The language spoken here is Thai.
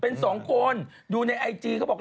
เป็นสองคนดูในไอจีเขาบอก